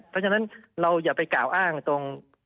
เพราะฉะนั้นเราอย่าไปกล่าวอ้างตรง